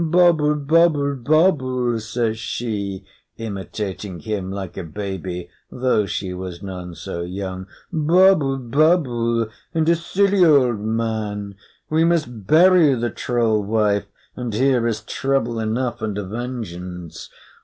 "Bubble bubble bubble!" says she, imitating him like a baby, though she was none so young. "Bubble bubble, and a silly old man! We must bury the troll wife, and here is trouble enough, and a vengeance!